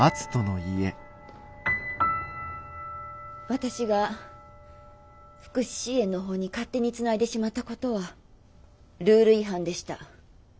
私が福祉支援の方に勝手につないでしまったことはルール違反でした。